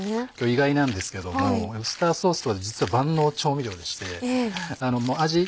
意外なんですけどもウスターソースは実は万能調味料でして味